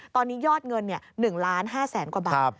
ตอนนี้ยอดเงิน๑๕๐๐๐๐๐กว่าบาท